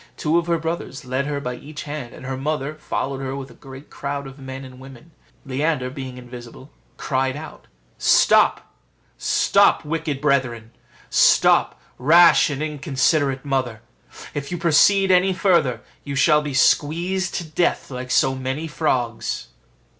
Two of her brothers led her by each hand, and her mother followed her with a great crowd of men and women. Leander, being invisible, cried out, "Stop, stop, wicked brethren: stop, rash and inconsiderate mother; if you proceed any further, you shall be squeezed to death like so many frogs."